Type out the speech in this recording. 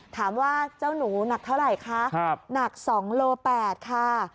ถามว่าเจ้าหนูหนักเท่าไหร่คะหนัก๒โล๘ค่ะ